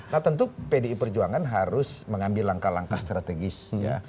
nah tentu pdi perjuangan harus mengambil langkah langkah strategis ya